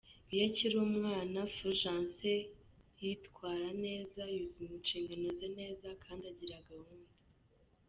Iyo akiri umwana, Fulgence yitwara neza, yuzuza inshingano ze neza kandi agira gahunda.